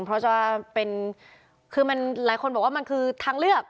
เพราะจะเป็นคือมันหลายคนบอกว่ามันคือทางเลือก